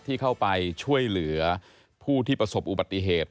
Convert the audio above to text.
ที่เข้าไปช่วยเหลือผู้ที่ประสบอุบัติเหตุ